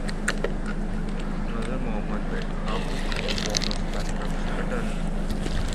Nazr Mohammed paid half the fee of Walker's bankruptcy attorney.